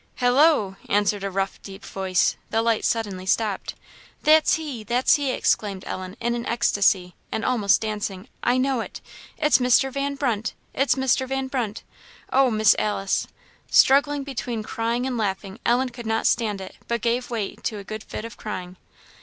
"Halloo!" answered a rough deep voice. The light suddenly stopped. "That's he! that's he!" exclaimed Ellen, in an ecstasy, and almost dancing "I know it it's Mr. Van Brunt! it's Mr. Van Brunt! oh, Miss Alice!" Struggling between crying and laughing Ellen could not stand it, but gave way to a good fit of crying.